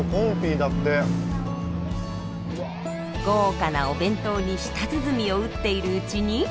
豪華なお弁当に舌鼓を打っているうちに。